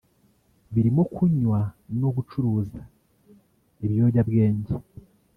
birimo kunywa no gucuruza ibiyobyabwenge